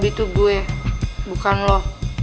itu gue bukan lo